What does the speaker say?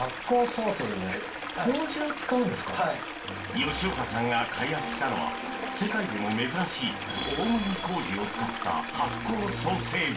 吉岡さんが開発したのは世界でも珍しい大麦麹を使った発酵ソーセージ。